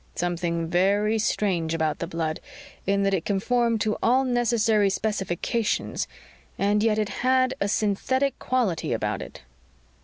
" something very strange about the blood in that it conformed to all necessary specifications and yet it had a synthetic quality about it